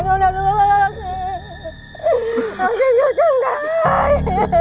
ของจ้ะอยู่จังได้